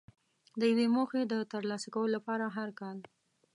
د یوې موخې د ترلاسه کولو لپاره هر کال.